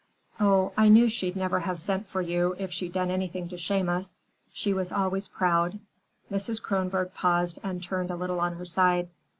"Oh, I knew she'd never have sent for you if she'd done anything to shame us. She was always proud." Mrs. Kronborg paused and turned a little on her side.